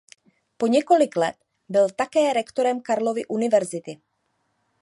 Po několik let byl také rektorem Karlovy Univerzity..